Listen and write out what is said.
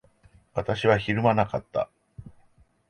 私はひるまなかった。